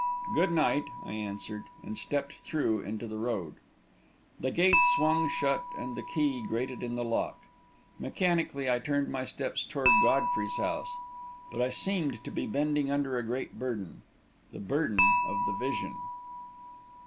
"Good night," I answered, and stepped through into the road. The gate swung shut and the key grated in the lock. Mechanically I turned my steps toward Godfrey's house; but I seemed to be bending under a great burden the burden of the vision.